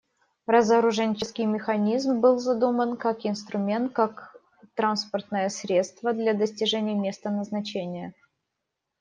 Разоруженческий механизм был задуман как инструмент, как транспортное средство для достижения места назначения.